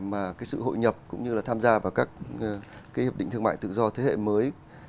mà cái sự hội nhập cũng như là tham gia vào các cái hiệp định thương mại tự do thế hệ mới